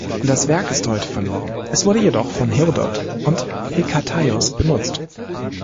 Das Werk ist heute verloren, es wurde jedoch von Herodot und Hekataios benutzt.